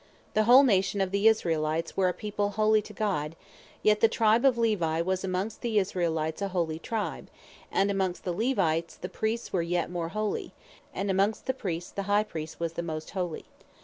The whole Nation of the Israelites were a people Holy to God; yet the tribe of Levi was amongst the Israelites a Holy tribe; and amongst the Levites, the Priests were yet more Holy; and amongst the Priests, the High Priest was the most Holy.